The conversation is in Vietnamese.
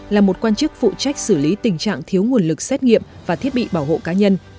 là một quan chức phụ trách xử lý tình trạng thiếu nguồn lực xét nghiệm và thiết bị bảo hộ cá nhân